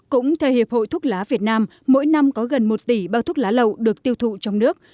cũng theo hiệp hội thuốc lá việt nam mỗi năm có gần một tỷ bao thuốc lá lậu được tiêu thụ trong nước